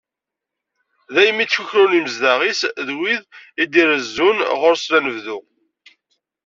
Daymi i ttkukrun yimezdaɣ-is, d wid i d-irezzun ɣur-sen anebdu.